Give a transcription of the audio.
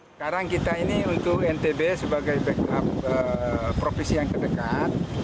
sekarang kita ini untuk ntb sebagai backup provinsi yang terdekat